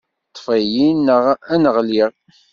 Ṭṭef-iyi-n, neɣ ad n-ɣliɣ.